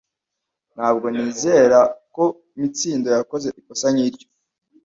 Ntabwo nizera ko Mitsindo yakoze ikosa nkiryo.